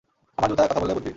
আমার জুতা কথা বললে বুঝবি?